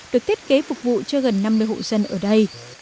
được thiết kế phục vụ cho gần năm mươi hộ dân ở đây